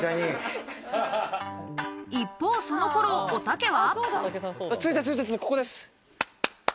一方、その頃おたけは。